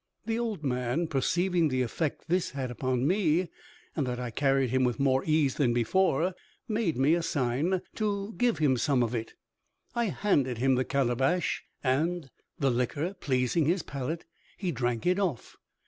The old man, perceiving the effect which this had upon me, and that I carried him with more ease than before, made me a sign to give him some of it. I handed him the calabash, and the liquor pleasing his palate, he drank it off.